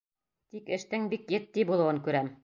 Тик эштең бик етди булыуын күрәм.